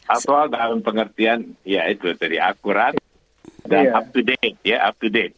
awal dalam pengertian ya itu tadi akurat dan up to day ya up to date